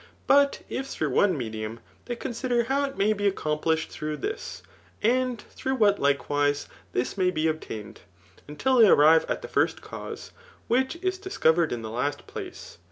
Buttf^roogb one medum, tiKy consider hdw it may be ^ecomplU^ ed dm>i]^ this, and tfarougk wbat likewise tbis may b^^ cklained, until they anive at the first cause, whkk ie discovered in the last place.